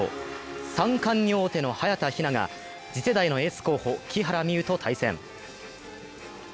３冠に王手の早田ひなが次世代のエース候補木原美悠と対戦。